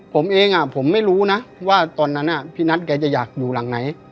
ผมเองผมไม่รู้นะว่าตอนนั้นพี่นัทแกจะอยากอยู่หลังไหน